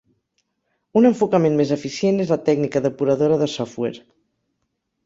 Un enfocament més eficient és la tècnica depuradora de software.